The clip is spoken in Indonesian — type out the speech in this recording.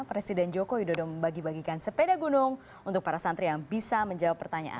presiden joko widodo membagi bagikan sepeda gunung untuk para santri yang bisa menjawab pertanyaan